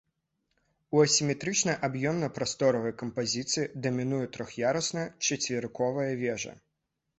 У асіметрычнай аб'ёмна-прасторавай кампазіцыі дамінуе трох'ярусная чацверыковая вежа.